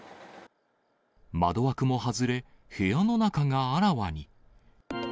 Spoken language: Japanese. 窓枠も外れ、部屋の中があらわに。